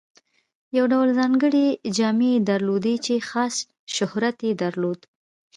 یو ډول ځانګړې جامې یې درلودې چې خاص شهرت یې درلود.